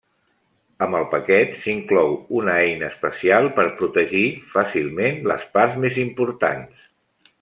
Amb el paquet s'inclou una eina especial per protegir fàcilment les parts més importants.